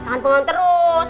jangan pengen terus